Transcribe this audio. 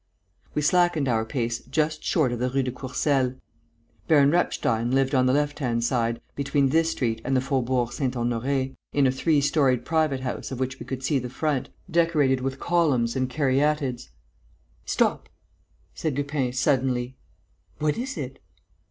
We slackened our pace just short of the Rue de Courcelles. Baron Repstein lived on the left hand side, between this street and the Faubourg Saint Honoré, in a three storied private house of which we could see the front, decorated with columns and caryatides. "Stop!" said Lupin, suddenly. "What is it?"